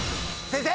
先生！